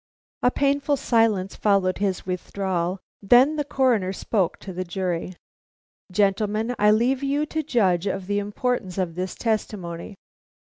A painful silence followed his withdrawal, then the Coroner spoke to the jury: "Gentlemen, I leave you to judge of the importance of this testimony.